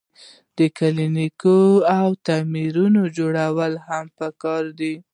د کلینیکونو او تعمیراتو جوړول هم پکې دي.